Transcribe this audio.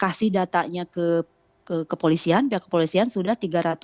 kasih datanya ke kepolisian pihak kepolisian sudah tiga ratus dua puluh sembilan